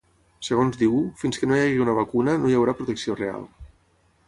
Segons diu, fins que no hi hagi una vacuna no hi haurà protecció real.